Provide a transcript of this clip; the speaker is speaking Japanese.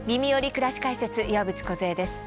くらし解説」岩渕梢です。